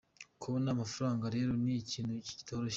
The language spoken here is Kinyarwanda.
Kubona amafaranga rero ni ikintu kitoroshye.